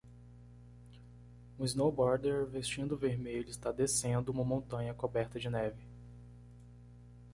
um snowboarder vestindo vermelho está descendo uma montanha coberta de neve.